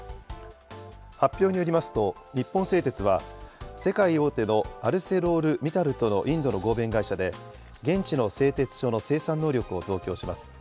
発表によりますと、日本製鉄は世界大手のアルセロール・ミタルとのインドの合弁会社で、現地の製鉄所の生産能力を増強します。